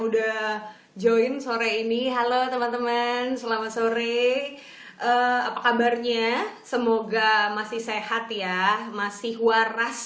udah join sore ini halo teman teman selamat sore apa kabarnya semoga masih sehat ya masih waras